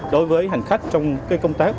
đối với hành khách trong công tác